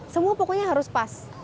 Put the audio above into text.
semua pokoknya harus pas